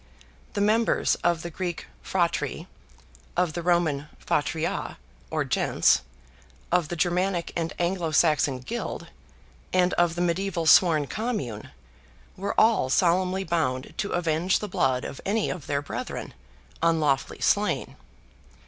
The members of the Greek phratry, of the Roman fatria, or gens, of the Germanic and Anglo Saxon guild, and of the mediaeval sworn commune, were all solemnly bound to avenge the blood of any of their brethren, unlawfully slain.